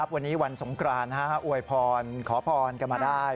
วันนี้วันสงกรานอวยพรขอพรกันมาได้